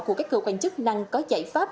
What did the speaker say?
của các cơ quan chức năng có giải pháp